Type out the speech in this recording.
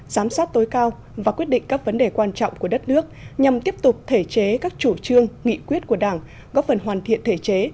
giám sát tối cao và quyết định các vấn đề quan trọng của đất nước nhằm tiếp tục thể chế các chủ trương nghị quyết của đảng góp phần hoàn thiện thể chế